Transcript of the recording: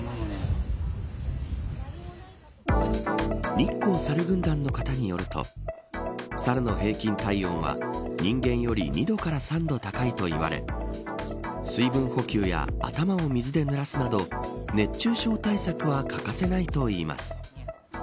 日光さる軍団の方によるとサルの平均体温は人間より２度から３度高いといわれ水分補給や頭を水でぬらすなど熱中症対策は欠かせないといいます。